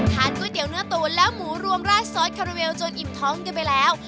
ก๋วยเตี๋ยเนื้อตูนแล้วหมูรวมราดซอสคาราเวลจนอิ่มท้องกันไปแล้ว